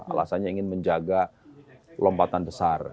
alasannya ingin menjaga lompatan besar